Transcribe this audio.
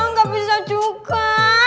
gak bisa juga